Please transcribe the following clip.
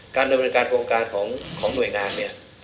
การดำเนินการโครงการของหน่วยงานเนี่ย